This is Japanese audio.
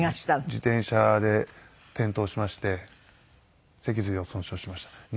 自転車で転倒しまして脊髄を損傷しましたね。